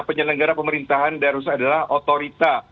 penyelenggara pemerintahan daerah rusak adalah otorita